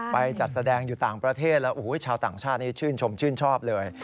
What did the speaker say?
ไปจัดแสดงอยู่ต่างประเทศแล้วชาวต่างชาตินี่ชื่นชมชื่นชอบเลย